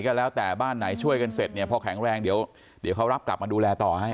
ก็แล้วแต่บ้านไหนช่วยกันเสร็จเนี่ยพอแข็งแรงเดี๋ยวเขารับกลับมาดูแลต่อให้